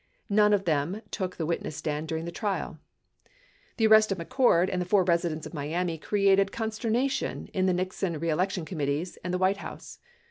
None of them took the witness stand during the trial. The arrest of McCord and the four residents of Miami created con sternation in the Nixon reelection committees and the White House.